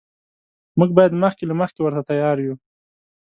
موږ باید مخکې له مخکې ورته تیار یو.